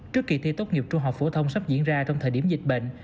trước kỳ thi tốt nghiệp trung học phổ thông sắp diễn ra trong thời điểm dịch bệnh